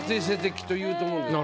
きっと言うと思うんだよ。